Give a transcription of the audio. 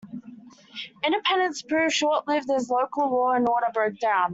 Independence proved short-lived, as local law and order broke down.